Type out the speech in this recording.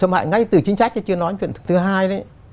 xâm hại ngay từ chính sách chứ chưa nói chuyện thứ hai đấy